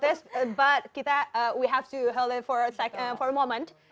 tapi kita harus menunggu sebentar